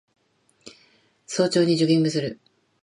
早朝にジョギングする